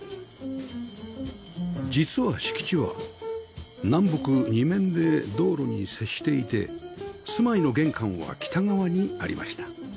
実は敷地は南北二面で道路に接していて住まいの玄関は北側にありました